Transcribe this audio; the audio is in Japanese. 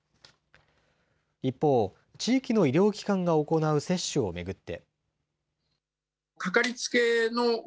一方、地域の医療機関が行う接種を巡って。